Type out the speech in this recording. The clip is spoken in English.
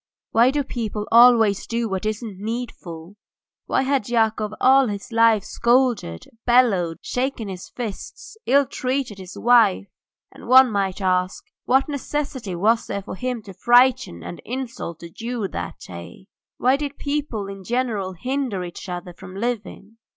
Why do people always do what isn't needful? Why had Yakov all his life scolded, bellowed, shaken his fists, ill treated his wife, and, one might ask, what necessity was there for him to frighten and insult the Jew that day? Why did people in general hinder each other from living?